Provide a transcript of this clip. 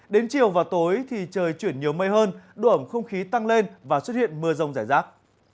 đến chiều và tối thì trời chuyển nhiều mây hơn độ ẩm không khí tăng lên và xuất hiện mưa rông rải rác